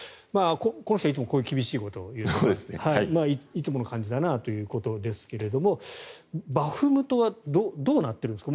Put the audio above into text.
この人はいつもこういう厳しいことを言っているのでいつもの漢字だなということですがバフムトはどうなっているんですか？